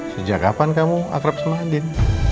sejak kapan kamu akrab sama andin